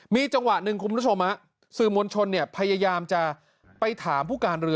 มีจังหวะนึงครับคุณผู้ผู้ชมสื่อมวลชนเนี่ยพยายามจะไปถามผู้การเรือ